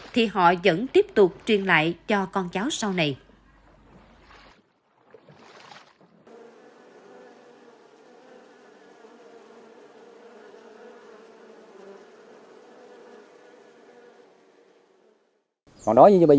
thì họ vẫn tiếp tục đuôi vào quá khứ